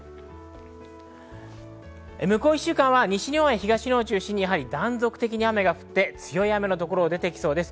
向こう１週間は西日本や東日本を中心に断続的に雨が降って強い雨の所が出てきます。